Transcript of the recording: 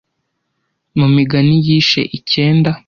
Mu migani yishe icyenda